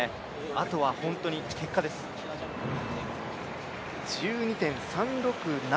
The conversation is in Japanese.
あとはホントに結果です。１２．３６７